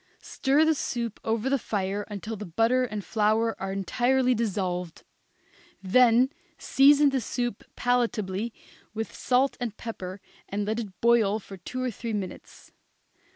Stir the soup over the fire until the butter and flour are entirely dissolved; then season the soup palatably with salt and pepper and let it boil for two or three minutes.